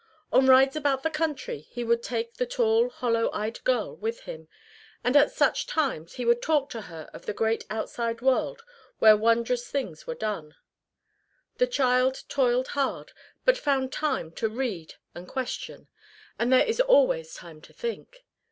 On rides about the country he would take the tall, hollow eyed girl with him, and at such times he would talk to her of the great outside world where wondrous things were done. The child toiled hard, but found time to read and question and there is always time to think.